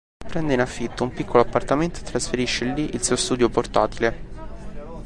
Prende in affitto un piccolo appartamento e trasferisce lì il suo studio portatile.